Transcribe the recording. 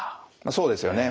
そうですよね。